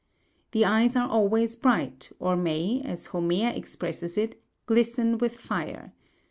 The eyes are always bright, or may, as Homer expresses it, glisten with fire.